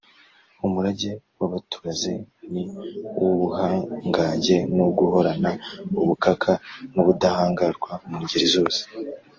Umurage w’Abaturaze ni uw’ubuhangange no guhorana ubukaka n’ubudahangarwa mu ngeri zose